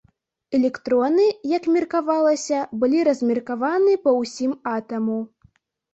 Электроны, як меркавалася, былі размеркаваны па ўсім атаму.